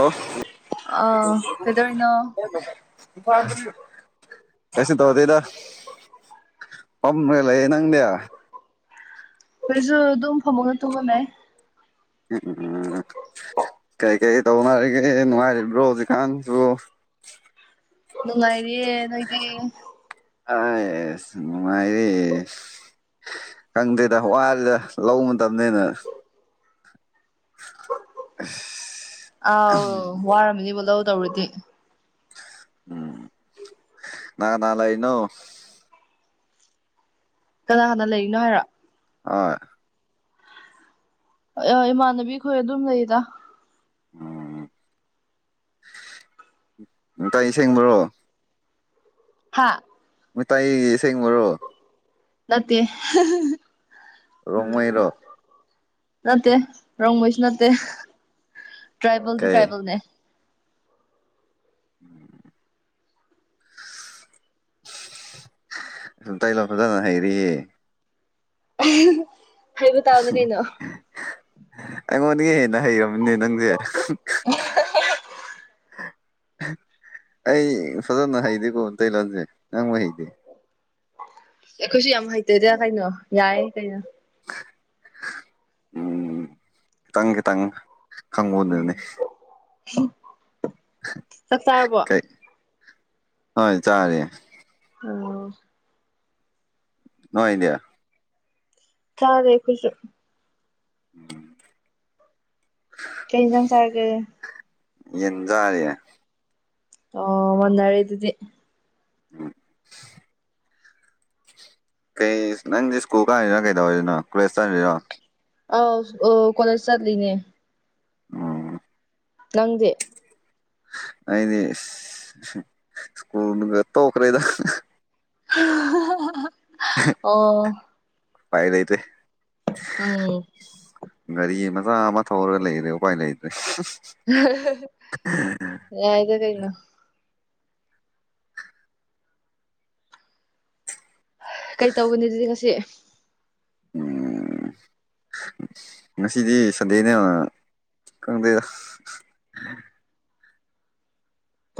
Hello ꯑꯥ ꯀꯩꯗꯧꯔꯤꯅꯣ ꯀꯁ ꯇꯗꯗ ꯑꯣꯝꯃꯦꯂ ꯌꯦ ꯅꯪꯗꯌꯥ ꯑꯩꯈꯣꯏꯁꯨ ꯑꯗꯨꯝ ꯐꯝꯃꯒ ꯇꯨꯝꯉꯝꯃꯦ ꯎꯝ ꯎꯝ ꯀꯔꯤ ꯀꯔꯤ ꯇꯧꯅꯔꯒꯦ ꯅꯨꯡꯉꯥꯏꯔꯤꯕ꯭ꯔꯣ ꯍꯧꯖꯤꯛꯀꯥꯟꯁꯨ ꯅꯨꯡꯉꯥꯢꯔꯤꯌꯦ ꯅꯣꯏꯗꯤ꯫ ꯑ ꯉꯅꯨꯡꯃꯥꯏꯔꯤꯦ ꯈꯪꯗꯦꯗ ꯋꯥꯂꯤꯗ ꯂ ꯃꯇꯝꯅꯤꯅꯦꯅ [unintelligible] ꯑꯥꯎ ꯋꯥꯔꯝꯃꯤꯅꯤꯕꯨ ꯂꯧꯧ ꯇꯧꯔꯗꯤ ꯎꯝ ꯅ ꯅꯂ ꯏꯩꯅꯣ ꯀꯅꯥ ꯀꯅꯥ ꯂꯩꯔꯤꯅꯣ ꯍꯥꯏꯔꯣ ꯍꯣꯏ ꯏꯃꯥꯟꯅꯕꯤꯈꯣꯏ ꯑꯗꯨꯝ ꯂꯩꯗ ꯎꯝ ꯀꯥꯏ ꯁꯦꯡꯕ꯭ꯔꯣ ꯍꯥ ꯃꯤ ꯏꯁꯦꯡ ꯃꯔꯨꯔꯣ ꯅꯠꯇꯦ ꯔꯣꯡꯃꯩꯔꯣ ꯅꯠꯇꯦ ꯔꯣꯡꯕꯩꯁꯨ ꯅꯠꯇꯦ ꯇ꯭ꯔꯥꯏꯕꯜꯗꯤ ꯀꯩ ꯇ꯭ꯔꯥꯏꯕꯦꯜꯅꯦ ꯎꯝ ꯁ ꯇꯥꯏ ꯂ ꯐꯖꯅ ꯍꯥꯏꯩꯔꯤꯦ ꯍꯥꯏꯕ ꯇꯥꯕꯅꯦ ꯀꯩꯅꯣ ꯑꯩꯉꯣꯟꯗꯒꯤ ꯍꯦꯟꯅ ꯍꯩꯔꯝꯅꯦ ꯅꯪꯁꯦ ꯑꯩ ꯁꯗꯣꯅ ꯍꯩꯗꯦꯀꯣ ꯏꯇꯩꯂꯣꯟꯁꯦ ꯅꯪꯕꯨ ꯍꯩꯗꯤꯦ ꯑꯩꯈꯣꯏꯁꯨ ꯌꯥꯝ ꯍꯩꯇꯣꯏꯗ ꯀꯩꯅꯣ ꯌꯥꯏ ꯀꯩꯅꯣ ꯎꯝ ꯈꯤ ꯇꯪꯈꯤꯇꯥꯡꯪ ꯎꯝ ꯩ ꯍꯣꯏ ꯆꯥꯔꯤꯦ ꯎꯝ ꯅꯣꯏ ꯏꯗ꯭ꯌꯥ ꯁꯔꯦ ꯈꯨꯁꯨ ꯎꯝ ꯇꯔꯤꯖꯥꯡ ꯆꯒ ꯌꯦꯟꯖꯔꯤ꯫ ꯑ ꯃꯟꯔꯦ ꯑꯗꯨꯗꯤ ꯎꯝ ꯀꯩ ꯅꯪꯗꯤ ꯁ꯭ꯀꯨꯜ ꯀꯥꯔꯤꯅꯣ ꯀꯩꯗꯧꯔꯤꯅ ꯀꯣꯂꯦꯖ ꯆꯥꯗ꯭ꯔꯤꯔꯣ ꯑꯥꯎ ꯑꯣ ꯀꯣꯂꯦꯖ ꯆꯠꯂꯤꯅꯦ ꯎꯝ ꯅꯪꯁꯦ ꯑꯏꯗꯤ ꯁ꯭ꯀꯨꯜꯒ ꯇꯣ ꯑꯣ꯭ꯔꯦꯗ ꯑꯣ ꯄꯥꯏ ꯂꯩꯇꯦ ꯑꯝ ꯒꯥꯔꯤ ꯃꯆꯥ ꯑꯃ ꯊꯧꯔꯒ ꯂꯩꯔꯦ ꯎꯄꯥꯏ ꯂꯩꯇ꯭ꯔꯦ [unintelligible] ꯌꯥꯏꯗ ꯀꯩꯅꯣ ꯀꯩ ꯇꯧꯒꯅꯤ ꯑꯗꯨꯗꯤ ꯉꯁꯤ ꯎ ꯉꯁꯤꯗꯤ ꯁꯟꯗꯦꯅꯦ ꯈꯪꯗꯦꯗ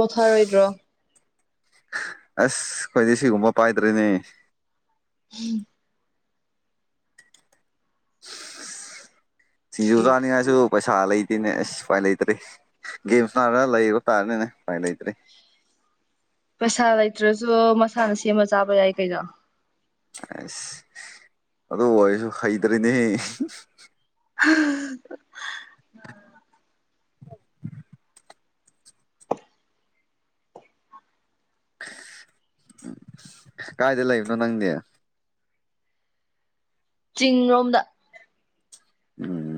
ꯄꯣꯊꯥꯔꯣꯏꯗ꯭ꯔꯣ ꯑꯁ ꯑꯩꯈꯣꯏꯗꯤ ꯁꯤꯒꯨꯝꯕ ꯄꯥꯏꯗ꯭ꯔꯤꯅꯦ ꯍꯝ ꯁꯤꯡꯖꯨ ꯆꯥꯅꯤꯉꯥꯏꯁꯨ ꯄꯩꯁꯥ ꯂꯩꯇꯅꯦ ꯑꯁ ꯎꯄꯥꯏ ꯂꯩꯇ꯭ꯔꯔꯤ ꯒꯦꯝꯁ ꯅꯥꯔꯒ ꯂꯩꯕ ꯇꯥꯔꯅꯤꯅꯦ ꯎꯄꯥꯏ ꯂꯩꯇ꯭ꯔꯤ ꯄꯩꯁꯥ ꯂꯩꯇ꯭ꯔꯁꯨ ꯃꯁꯥꯅ ꯁꯦꯝꯃ ꯆꯥꯕ ꯌꯥꯏ ꯀꯩꯅꯣ ꯑꯁ ꯑꯗꯨ ꯑꯣꯏꯔꯁꯨ ꯍꯩꯇ꯭ꯔꯔꯤꯅꯦ ꯍꯝ ꯎꯝ ꯀꯥꯏꯗ ꯂꯩꯕꯅꯣ ꯅꯪꯅꯦ ꯆꯤꯡꯔꯣꯝꯗ ꯎꯝ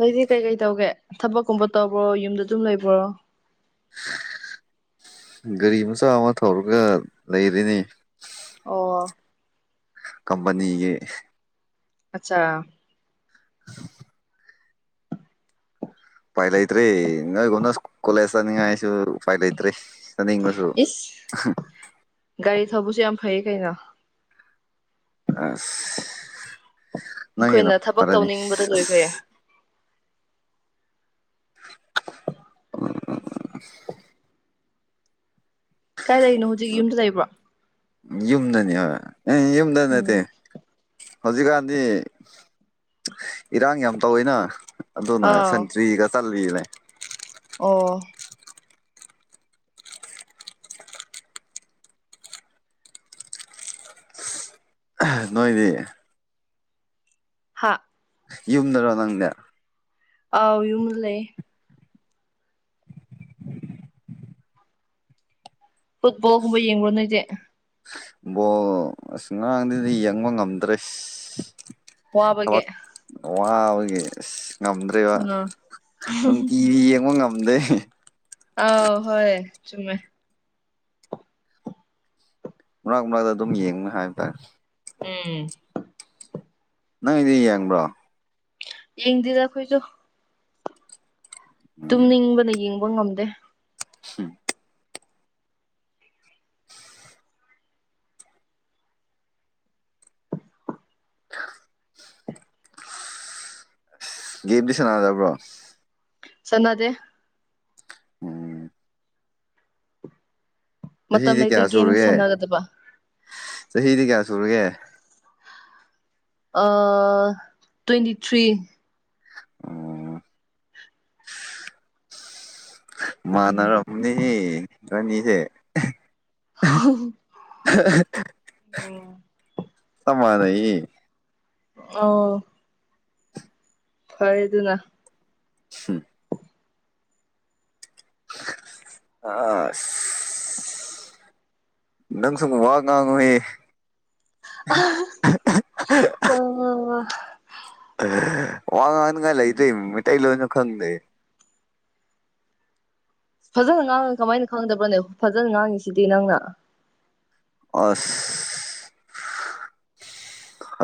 ꯅꯣꯏꯗꯤ ꯀꯩꯀꯩ ꯇꯧꯒꯦ ꯊꯕꯛꯀꯨꯝꯕ ꯇꯧꯕ꯭ꯔꯣ ꯌꯨꯝꯗ ꯑꯗꯨꯝ ꯂꯩꯕ꯭ꯔꯣ ꯒꯥꯔꯤ ꯃꯆꯥ ꯑꯃ ꯊꯧꯔꯒ ꯂꯩꯔꯤꯅꯦ ꯑꯣ ꯀꯄꯅꯤꯒꯤ ꯑꯆꯥ ꯍ ꯎꯄꯥꯢ ꯂꯩꯇ꯭ꯔꯦ ꯅꯣꯏꯒꯨꯝꯅ ꯀꯣꯂꯦꯁ ꯆꯠꯅꯤꯡꯉꯥꯏꯁꯨ ꯎꯄꯥꯏ ꯂꯩꯇ꯭ꯔꯦ ꯆꯠꯅꯤꯡ ꯏꯁ ꯒꯥꯔꯤ ꯊꯧꯕꯁꯨ ꯌꯥꯝ ꯐꯩ ꯀꯩꯅꯣ ꯑ ꯅꯪꯉꯤꯗ ꯑꯩꯈꯣꯏꯅ ꯊꯕꯛ ꯐꯔꯦꯅꯤ ꯇꯧꯅꯤꯡꯕꯗ ꯂꯣꯏꯈ꯭ꯔꯦ [unintelligible] ꯀꯥꯏꯗ ꯂꯩꯔꯤꯅꯣ ꯍꯧꯖꯤꯛ ꯌꯨꯝꯗ ꯂꯩꯕ꯭ꯔꯣ ꯌꯨꯝꯗꯅꯤ ꯍꯣꯏ ꯌꯨꯝꯗ ꯅꯠꯇꯦ ꯎꯝ ꯍꯧꯖꯤꯛꯀꯥꯟꯗꯤ ꯏꯔꯥꯡ ꯌꯥꯝ ꯇꯧꯋꯤꯅ ꯑꯗꯨꯅ ꯑꯥ ꯁꯟꯇ꯭ꯔꯤꯒ ꯆꯠꯂꯤꯅꯦ ꯑꯣ ꯑꯍꯥ ꯅꯣꯏꯗꯤ ꯍꯥ ꯌꯨꯝꯗꯔꯣ ꯅꯪꯗꯤ ꯑꯧ ꯌꯨꯝꯗ ꯂꯩꯌꯦ [inaudible] ꯐꯨꯠꯕꯣꯜꯒꯨꯝꯕ ꯌꯦꯡꯕ꯭ꯔꯣ ꯅꯣꯏꯗꯤ ꯕꯣ ꯑꯁ ꯉꯔꯥꯡꯗꯩꯩꯗꯤ ꯌꯦꯡꯕ ꯉꯝꯗ꯭ꯔꯦ ꯑꯁ ꯋꯥꯕꯒꯤ ꯊꯛ ꯋꯥ ꯑꯩꯒꯤ ꯉꯝꯗ꯭ꯔꯦꯕ ꯑꯥ ꯅꯨꯡꯇꯤꯒꯤ ꯌꯦꯡꯕ ꯉꯝꯗꯦ ꯑꯥꯎ ꯍꯣꯏ ꯆꯃꯦ ꯃꯅꯥꯛ ꯃꯅꯥꯛꯇ ꯑꯗꯨꯝ ꯌꯦꯡꯉ ꯍꯥꯏꯕ ꯇꯥꯔꯦ ꯑꯥ ꯅꯣꯏꯗꯤ ꯌꯦꯡꯕ꯭ꯔꯣ ꯌꯦꯡꯗꯗꯈꯣꯏꯣ ꯇꯨꯝꯅꯤꯡꯕꯅ ꯌꯦꯡꯕ ꯉꯝꯗꯦ ꯍꯝ ꯒꯦꯝꯗꯤ ꯁꯥꯅꯗꯕ꯭ꯔꯣ ꯆꯅꯥꯗꯦ ꯎꯝ ꯃꯇꯝ ꯆꯍꯤꯗꯤ ꯂꯩꯇꯦ ꯀꯌꯥ ꯒꯦꯝ ꯁꯨꯔꯒꯦ ꯁꯥꯟꯅꯒꯗꯕ ꯆꯍꯤꯗꯤ ꯀꯌꯥ ꯁꯨꯔꯒꯦ ꯑ ꯇ꯭ꯋꯦꯟꯇꯤ ꯊ꯭ꯔꯤ ꯎꯝ ꯃꯥꯅꯔꯝꯅꯤꯍꯦ ꯅꯣꯏꯅꯤꯁꯦ ꯍ [unintelligible] ꯆꯞ ꯃꯅꯩꯌꯦ ꯑꯥ ꯐꯔꯦ ꯑꯗꯨꯅ ꯍꯝ ꯑꯥ ꯅꯪꯁꯨ ꯋꯥ ꯉꯥꯡꯉꯣꯍꯦ ꯑꯣ ꯋꯥ ꯉꯥꯡꯅꯤꯡꯉꯥꯏ ꯂꯩꯗꯣꯏ ꯃꯩꯇꯩꯂꯣꯟꯣꯏꯅ ꯈꯪꯗꯦ ꯐꯖꯅ ꯉꯥꯡꯉ ꯀꯃꯥꯏꯅ ꯈꯪꯗꯕ꯭ꯔꯅꯦ ꯐꯖꯅ ꯉꯥꯡꯉꯤꯁꯤꯗꯤ ꯅꯪꯅ ꯑꯁ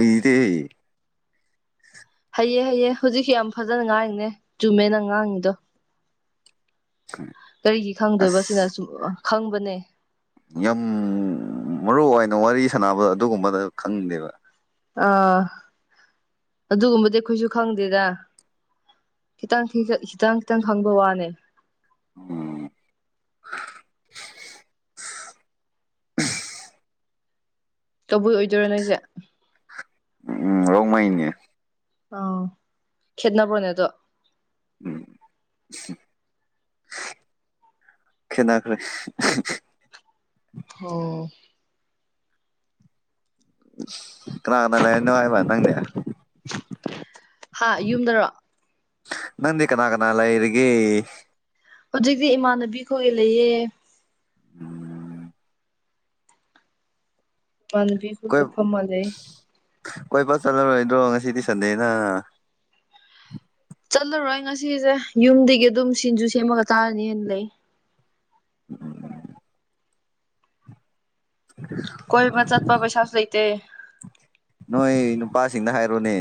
ꯍꯩꯇꯦꯍꯦ ꯍꯩꯑꯦ ꯍꯩꯌꯦꯦ ꯍꯧꯖꯤꯛꯁ ꯌꯥꯝ ꯐꯖꯅ ꯉꯥꯡꯔꯤꯤꯅꯦ ꯆꯨꯝꯃꯦꯅ ꯉꯥꯡꯉꯤꯗꯣ ꯀꯔꯤꯒꯤ ꯈꯪꯗꯣꯏꯕ ꯁꯤꯅ ꯑꯁ ꯁꯨꯝ ꯑꯣ ꯈꯪꯕꯅꯦ ꯌꯥꯝ ꯃꯔꯨ ꯑꯣꯏꯅ ꯋꯥꯔꯤ ꯁꯥꯟꯅꯕꯗ ꯑꯗꯨꯒꯨꯝꯕꯗ ꯈꯪꯗꯦꯕ ꯑꯥ ꯑꯗꯨꯒꯨꯝꯕꯗꯤ ꯑꯩꯈꯣꯏꯁꯨ ꯈꯪꯗꯦꯗ ꯈꯤꯇꯪ ꯊꯤ ꯈꯤꯇꯪ ꯈꯤꯇꯪ ꯈꯪꯕ ꯋꯥꯅꯦ ꯎꯝ ꯀꯕꯨꯏ ꯑꯣꯏꯗꯣꯏꯔꯣ ꯅꯣꯏꯁꯦ ꯎꯝ ꯔꯣꯡꯃꯥꯏꯅꯦ ꯑꯣ ꯈꯦꯠꯅꯕ꯭ꯔꯣꯅꯦ ꯑꯗꯨꯣ ꯎꯝ ꯈꯦꯠꯅꯈ꯭ꯔꯦ ꯍꯥ ꯀꯅꯥꯥ ꯀꯅꯥ ꯂꯥꯛꯏꯅꯣ ꯍꯥꯏꯕ ꯅꯪꯗꯤ ꯍꯥ ꯌꯨꯝꯗꯔꯣ ꯅꯗꯤ ꯀꯅꯥ ꯀꯅꯥꯂ ꯏꯔꯤꯒ ꯍꯧꯖꯤꯛꯇꯤ ꯏꯃꯥꯟꯅꯕꯤꯈꯣꯏ ꯂꯩꯌꯦ ꯃꯥꯅꯕꯤꯈꯒ ꯀꯣꯏ ꯐ ꯃꯥꯜꯂꯤ ꯀꯣꯏꯕ ꯆꯠꯂꯔꯣꯏꯗ꯭ꯔꯣ ꯉꯁꯤꯗꯤ ꯁꯟꯗꯦꯅ ꯆꯠꯂꯔꯣꯏ ꯑꯩ ꯉꯁꯤꯁꯦ ꯌꯨꯝꯗꯒꯤ ꯑꯗꯨꯝ ꯁꯤꯡꯖꯨ ꯁꯦꯝꯃꯒ ꯆꯥꯔꯅꯤꯅ ꯂꯩ ꯎꯝ [unintelligible] ꯀꯣꯏ ꯃ ꯆꯠꯄ ꯄꯩꯁꯥꯁ ꯂꯩꯇꯦ ꯅꯣꯏ ꯅꯨꯄꯥꯁꯤꯡꯗ ꯍꯥꯏꯔꯣꯅꯦ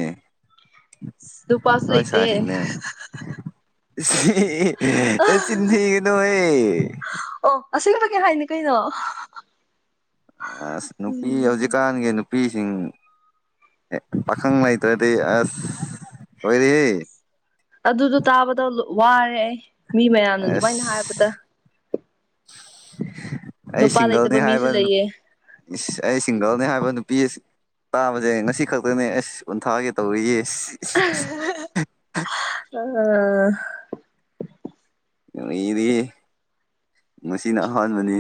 ꯂꯨꯄꯥꯁꯨ ꯅꯣꯏ ꯂꯩꯇꯦ ꯁꯥꯏꯁꯤꯡꯅꯦ ꯆꯊꯒꯅꯣ ꯑꯦ ꯑꯣ ꯑꯁꯦꯡꯕꯒꯤ ꯍꯥꯏꯅꯤ ꯀꯩꯅꯣ ꯑ ꯅꯨꯄꯤ ꯍꯧꯖꯤꯛꯀꯥꯟꯥꯟꯒ ꯅꯨꯄꯤ ꯅꯨꯄꯤꯁꯤꯡ ꯄꯥꯈꯪ ꯂꯩꯇ꯭ꯔꯗꯤ ꯑꯁ ꯑꯣꯏꯣꯔꯦꯍꯦ ꯑꯗꯨꯗꯣ ꯇꯥꯕꯗ ꯋꯥꯔꯦ ꯑꯩ ꯃꯤ ꯃꯌꯥꯝꯅ ꯑꯗꯨꯃꯥꯏꯅ ꯑꯁ ꯍꯥꯏꯕꯗ ꯑꯩ ꯅꯨꯄꯥ ꯂꯩꯇꯕ ꯁꯤꯡꯒꯜꯅꯤ ꯃꯤꯁꯨ ꯍꯥꯏꯕ ꯂꯩꯌꯦ ꯏꯁ ꯑꯩ ꯁꯤꯡꯒꯜꯅꯦ ꯍꯥꯏꯕ ꯅꯨꯄꯤ ꯇꯥꯕꯁꯦ ꯉꯁꯤ ꯈꯛꯇꯅꯦ ꯑꯁ ꯀꯟꯊꯥꯒꯦ ꯇꯧꯔꯤꯌꯦ [unintelligible] ꯎꯝ ꯉꯗꯤ ꯉꯁꯤꯅ ꯑꯍꯥꯟꯕꯅꯤ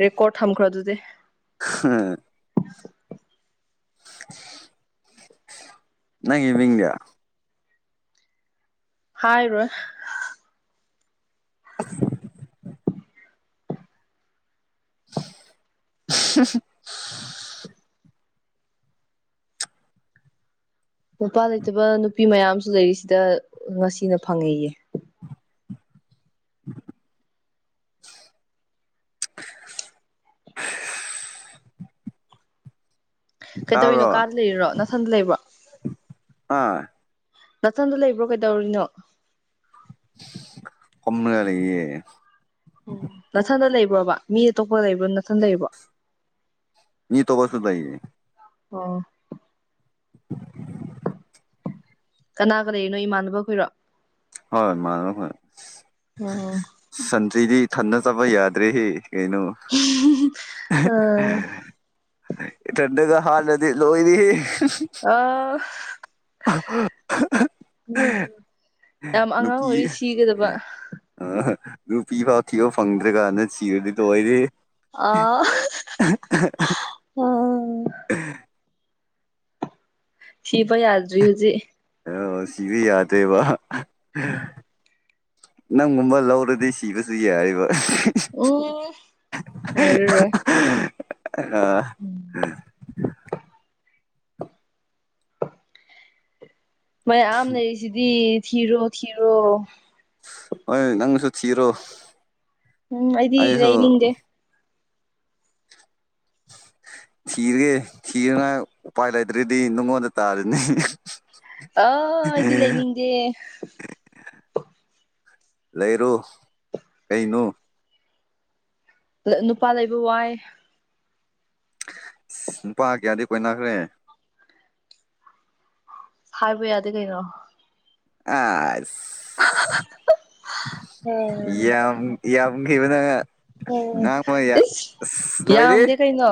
ꯔꯦꯀ꯭ꯔꫭꯠ ꯊꯝꯈ꯭ꯔꯣ ꯑꯗꯨꯗꯤ꯫ ꯎꯝ ꯫ ꯅꯪ ꯏꯃꯤꯡꯗꯤ꯫ ꯍꯥꯏꯔ [inaudible] [inaudible] ꯅꯨꯄꯥ ꯂꯩꯇꯕ ꯅꯨꯄꯤ ꯃꯌꯥꯝꯁꯨ ꯂꯩꯔꯤꯁꯤꯗ ꯉꯁꯤꯅ ꯐꯪꯉ‌ꯦꯌꯦ꯫ [inaudible] [inaudible] [unintelligible] ꯀꯩꯇꯧꯔꯤꯅꯣ ꯇꯥꯕ꯭ꯔꯣ ꯀꯥꯗ ꯂꯩꯔꯤꯔꯣ ꯅꯊꯟꯗ ꯂꯩꯕ꯭ꯔꯣ꯫ ꯑꯥ ꯅꯅꯥꯊꯟꯗ ꯂꯩꯕ꯭ꯔꯣ ꯀꯩꯗꯧꯔꯤꯅꯣ ꯈꫭꯝꯃꯒ ꯂꯩꯔꯤ꯫ ꯎꯝ ꯅꯅꯥꯊꯟꯗ ꯂꯩꯕ꯭ꯔꯣꯕ ꯃꯤ ꯑꯇꯣꯞꯄ ꯂꯩꯕ꯭ꯔꯣ ꯅꯊꯟ ꯂꯩꯕ꯭ꯔꯣ ꯃꯤ ꯇꯣꯕ ꯁꯨꯗꯏꯌꯦ [inaudible] [inaudible] ꯀꯅꯥꯒ ꯂꯩꯔꯤꯅꯣ ꯏꯃꯥꯟꯅꯕ ꯈꯨꯏꯔꯣ ꯍꯣꯏ ꯃꯥꯍ ꯎꯝ ꯁꯟꯊꯤꯗꯤ ꯊꯟꯅ ꯆꯥꯕ ꯌꯥꯗ꯭ꯔꯦꯍ‌ꯦ ꯀꯩꯅꯣ꯫ ꯎꯝ ꯏꯊꯟꯗꯒ ꯍꯥꯠꯂꯗꯤ ꯂꯣꯏꯔ‌ꯦꯍ‌ꯦ꯫ ꯑ [unintelligible] ꯎꯝ ꯌꯥꯝ ꯑꯉꯥꯡ ꯑꯣꯏꯔꯤ ꯁꯤꯒꯗꯕ ꯑꯥ ꯅꯨꯄꯤ ꯐꯥꯎ ꯊꯤꯕ ꯐꯪꯗ꯭ꯔꯥꯀꯥꯟꯗ ꯁꯤꯔꯗꯤ ꯂꫭꯏꯔꯦꯍ‌ꯦ꯫ ꯑꯥ [unintelligible] ꯊꯤꯕ ꯌꯥꯗ꯭ꯔꯤ ꯍꯨꯖꯤꯛ꯫ ꯑꯥ ꯁꯤꯕꯤ ꯌꯥꯗꯦꯕ ꯅꯪꯒꯨꯝꯕ ꯂꯧꯔꯗꯤ ꯁꯤꯕꯁꯨ ꯌꯥꯔꯤꯕ ꯑꯣ ꯍꯥꯏꯨꯔꯦ ꯍꯥ꯫ ꯃꯌꯥꯝ ꯂꯩꯔꯤꯁꯤꯗꯤ ꯊꯤꯔꯣ ꯊꯤꯔꯣ꯫ ꯍꯣꯏ ꯅꯪꯁꯨ ꯊꯤꯔꯣ ꯎꯝ ꯑꯩꯗꯤ ꯑꯩꯁꯨ ꯏꯅꯤꯡꯗꯦ [inaudible] ꯊꯤꯔꯒꯦ ꯊꯤꯔꯅ ꯎꯄꯥꯏ ꯂꯩꯇ꯭ꯔꯥꯗꯤ ꯅꯉꯣꯟꯗ ꯇꯥꯔ‌ꯦꯅ‌ꯦ꯫ ꯑꯥ ꯑꯩꯗꯤ ꯂꯩꯅꯤꯡꯗ‌ꯦ꯫ ꯂꯩꯔꯣ ꯀꯩꯅꯣ ꯅꯨꯄꯥ ꯂꯩꯕ ꯋꯥꯏ ꯅꯨꯄꯥ ꯀꯌꯥꯗꯤ ꯀꯣꯏꯅꯈ꯭ꯔꯦ ꯍꯥꯏꯕ ꯌꯥꯗꯦ ꯀꯩꯅꯣ ꯑꯥꯁ꯫ [inaudible] ꯎꯝ ꯌꯥꯝ ꯌꯥꯝꯒꯤꯕꯅ ꯎꯝ ꯉꯥ ꯏꯁ ꯁꯣꯏꯔꯤ ꯌꯥꯝꯗꯦ ꯀꯩꯅꯣ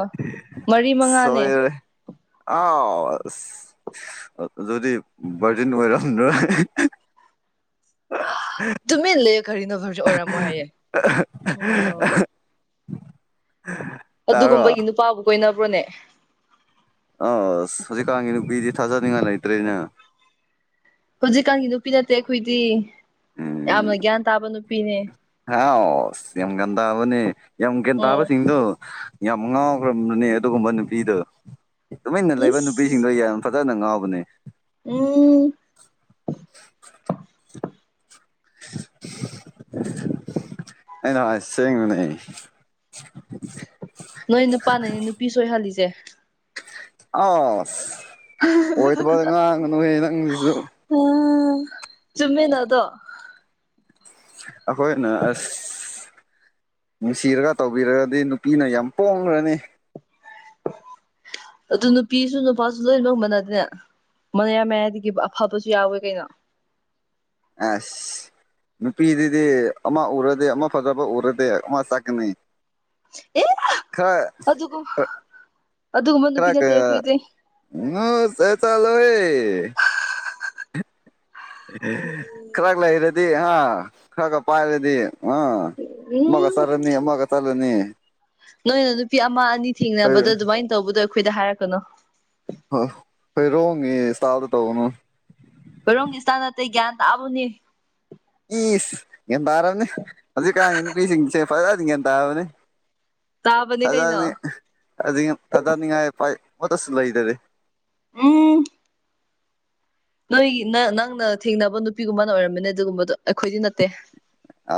ꯃꯔꯤ ꯃꯉꯥꯅꯦ ꯁꯣꯏꯣꯏꯔꯔꯦ [inaudible] ꯑꯥꯎ ꯑꯁ ꯑꯗꯨꯗꯤ ꯕꯔꯖꯤꯟ ꯑꯣꯏꯔꯝꯗ꯭ꯔꯣ ꯑ ꯇꯨꯃꯦꯟ ꯂꯩꯌꫭ ꯀꯔꯤꯅꯣ ꯚꯔꯁꯨ ꯑꯣꯏꯔꯝꯃꯣ ꯍꯥꯏꯌꯦ ꯑꯣ꯫ ꯍ [unintelligible] ꯑꯗꯨꯒꯨꯝꯕꯒꯤ ꯅꯨꯄꯥꯕꯨ ꯀꯣꯏꯅꯕ꯭ꯔꯣꯅꯦ ꯑꯁ ꯍꯧꯖꯤꯛꯀꯥꯟꯒꯤ ꯅꯨꯄꯤꯗꯤ ꯊꯥꯖꯅꯤꯡꯉꯥꯏ ꯂꯩꯇ꯭ꯔꯦꯅ꯫ ꯍꯧꯖꯤꯛꯀꯥꯟꯒꯤ ꯅꯨꯄꯤ ꯅꯠꯇꯦ ꯑꯩꯈꯣꯏꯗꯤ ꯌꯥꯝꯅ ꯒ꯭ꯌꯥꯟ ꯇꯥꯕ ꯅꯨꯄꯤꯅꯦ ꯍ ꯌꯥꯝ ꯀꯟ ꯇꯕꯅꯦ ꯌꯥꯝ ꯀꯦꯟ ꯎꯝ ꯇꯕꯁꯤꯡꯗꯨꯣ ꯌꯥꯝ ꯉꯥꯎꯈ꯭ꯔꯕꯅꯦ ꯑꯗꯨꯒꯨꯝꯕ ꯅꯨꯄꯤꯗꯨꯣ ꯇꯨꯃꯤꯟꯅ ꯂꯩꯕ ꯅꯨꯄꯤ ꯏꯁ ꯁꯤꯡꯗ ꯌꯥꯝ ꯐꯖꯅ ꯉꯥꯎꯕꯅꯦ ꯎꯝ꯫ [inaudible] ꯑꯩꯅ ꯍꯥꯏ ꯁꯦꯡꯕꯅꯦ꯫ ꯅꯣꯏ ꯅꯨꯄꯥꯅꯅꯦ ꯅꯨꯄꯤ ꯁꯣꯏꯍꯜꯂꯤꯁꯦ ꯑ ꯑꯣꯏ ꯑ ꯆꯃꯦꯗꯗꯣ ꯑꯈꯣꯏꯅ ꯑꯁ꯫ ꯅꯨꯡꯁꯤꯔꯒ ꯇꯧꯕꯤꯔꯒꯗꯤ ꯅꯨꯄꯤꯅ ꯌꯥꯝ ꯄꯣꯡꯈ꯭ꯔꯅꯤ ꯑꯗꯨ ꯅꯨꯄꯤꯁꯨ ꯅꯨꯄꯥꯁꯨ ꯂꯣꯏꯅꯃꯛ ꯃꯅꯗꯅꯦ ꯃꯌꯥ ꯃꯌꯥꯏꯗꯒꯤ ꯑꯐꯕꯁꯨ ꯌꯥꯎꯋꯦ ꯀꯩꯅꯣ ꯑꯁ꯫ ꯅꯨꯄꯤꯗꯨꯗꯤ ꯑꯃ ꯎꯔꯗꯤ ꯑꯃ ꯐꯖꯕ ꯎꯔꯗꯤ ꯑꯃ ꯆꯠꯀꯅꯤ ꯑꯦ ꯈꯔ ꯑꯗꯨꯒꯨꯝ ꯑꯥ ꯑꯗꯨꯒꯨꯝꯕ ꯈꯔ꯫ ꯅꯨꯄꯤ ꯅꯠꯇꯦ ꯑꯩꯈꯣꯏꯗꯤ ꯉꯥ ꯁ‌ꯦꯆꯠꯂꯨꯏ꯫ ꯈꯔ ꯂꯩꯔꯗꯤ ꯑꯥ ꯈꯔꯒ ꯄꯥꯏꯔꯗꯤ ꯑꯥ ꯑꯃꯒ꯫ ꯆ ꯎꯝ ꯇꯔꯅꯤ ꯑꯃꯒꯠꯇꯔꯅꯤ ꯅꯣꯏꯅ ꯅꯨꯄꯤ ꯑꯃ ꯑꯅꯤ ꯊꯦꯡꯅꯕꯗꯣ ꯑꯗꯨꯃꯥꯏꯅ ꯇꯧꯕꯗꯣ ꯑꯈꯣꯏꯗ ꯍꯥꯏꯔꯛꯀꯅꯣ꯫ ꯍꯣꯏ ꯍꯣꯏꯔꯣꯉ ꯏꯁꯇꯥꯗ ꯇꯧꯅꯨ ꯀꯣꯏꯔꯣꯡꯒꯤ ꯏꯁꯇꯥꯟ ꯅꯇꯩ ꯒ꯭ꯌꯥꯟ ꯇꯥꯕꯅꯤ ꯏꯁ ꯒ꯭ꯌꯥꯟ ꯇꯥꯔꯅꯤ ꯍꯧꯖꯤꯛꯀꯥꯟꯒꯤ ꯅꯨꯄꯤꯁꯤꯡꯁꯦ ꯐꯖꯟ ꯒ꯭ꯌꯥꯟ ꯇꯥꯕꯅꯤ꯫ ꯇꯥꯕꯅꯦ ꯀꯩꯅꯣ ꯁꯅꯤ ꯁꯥꯅꯤꯥꯏ ꯄ ꯃꯠꯇꯁꯨꯂ ꯂꯩꯗꯦ꯫ ꯑꯣ ꯅꯣꯏꯒꯤ ꯅꯪꯅ ꯊꯦꯡꯅꯕ ꯅꯨꯄꯤꯒꯨꯝꯕꯅ ꯑꯣꯏꯔꯝꯃꯤꯅꯦ ꯑꯗꯨꯒꯨꯝꯕꯗꯣ ꯑꯩꯈꯣꯏꯗꯤ ꯅꯠꯇꯦ ꯑ